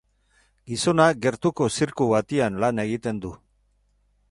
Gizonak gertuko zirku batean lan egiten du.